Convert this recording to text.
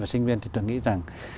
và sinh viên thì tôi nghĩ rằng